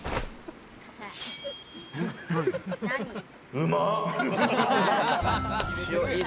うまい。